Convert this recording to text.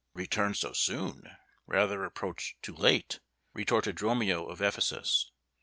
"Returned so soon? Rather approached too late," retorted Dromio of Ephesus.